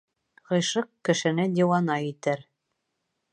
Ғишыҡ кешене диуана итер.